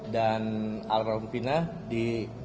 dan almarhum fina di